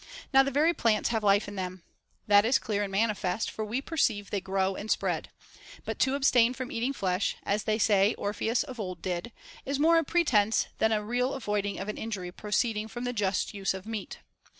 Now the very plants have life in them, — that is clear and manifest, for we perceive they grow and spread. But to abstain from eating flesh (as they say Orpheus of old did) is more a pretence than a real avoiding of an injury proceeding from the just use of meat.